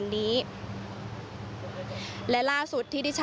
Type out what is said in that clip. ส่วนสบนิรนามทั้ง๓คนที่แพทย์ขอความร่วมมือก่อนหน้านี้นะคะ